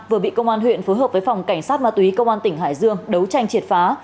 vừa bị công an huyện phối hợp với phòng cảnh sát ma túy công an tỉnh hải dương đấu tranh triệt phá